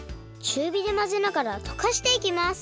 ちゅうびでまぜながらとかしていきます